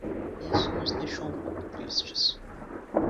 E isso nos deixou um pouco tristes.